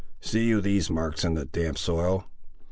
"See you these marks in the damp soil?